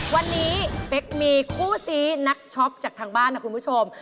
วันนี้เป๊กมีคู่ซีนักช็อปจากทางบ้านนะคุณผู้ชม